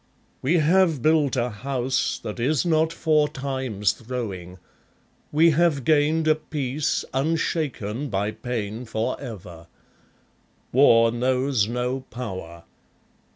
We have built a house that is not for Time's throwing. We have gained a peace unshaken by pain for ever. War knows no power.